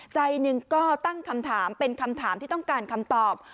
ใจหนึ่งก็ตั้งคำถามเป็นคำถามที่ต้องการคำตอบ